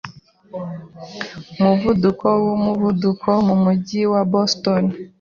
umuvuduko w umuvuduko mumujyi wa Boston.